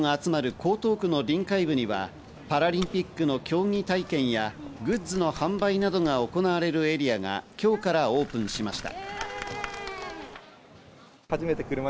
江東区の臨海部にはパラリンピックの競技体験やグッズの販売などが行われるエリアが今日からオープンしました。